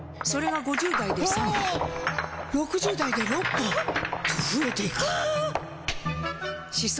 それが５０代で３本６０代で６本と増えていく歯槽